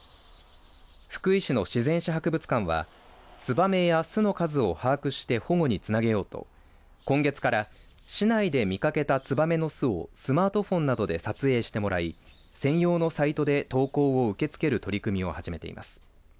福井市の自然史博物館はツバメや巣の数を把握して保護につなげようと今月から、市内で見かけたツバメの巣をスマートフォンなどで撮影してもらい専用のサイトで投稿を受け付ける取り組みを始めています。